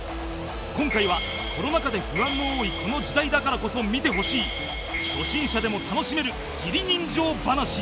今回はコロナ禍で不安の多いこの時代だからこそ見てほしい初心者でも楽しめる義理人情話